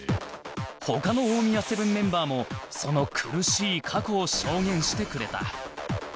他の大宮セブンメンバーもその苦しい過去を証言してくれた